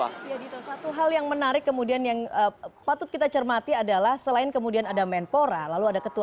ya dito satu hal yang menarik kemudian yang patut kita cermati adalah selain kemudian ada menpora lalu ada ketua